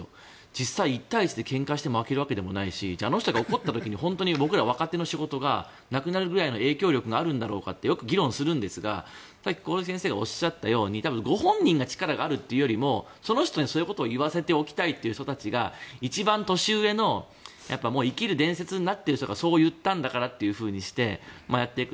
実際、１対１でけんかして負けるわけじゃないしあの人が怒った時に僕ら、若手の仕事がなくなるくらいの影響力があるんだろうかってよく議論するんですが先生がおっしゃったようにご本人が力があるというよりその人にそういうことを言わせたい人たちが一番年上の生きる伝説になっている人がそう言ってるんだからってやっていく。